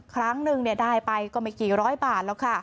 ครั้งหนึ่งได้ไปก็ไม่กี่ร้อยบาทแล้วค่ะ